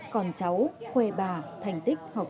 còn cháu khoe bà thành tích học